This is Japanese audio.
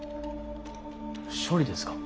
処理ですか？